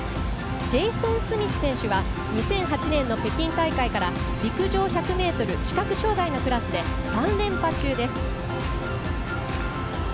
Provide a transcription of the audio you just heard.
ジェイソン・スミス選手は２００８年の北京大会から陸上１００ｍ視覚障がいのクラスで３連覇中です。